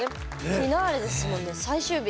フィナーレですもんね最終日。